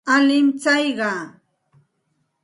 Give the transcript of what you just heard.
Alin tsayqa.